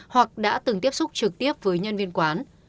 hoặc đã từng tiếp xúc trực tiếp với nhân viên quán